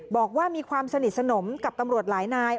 บอกว่ามีความสนิทสนมกับตำรวจหลายนาย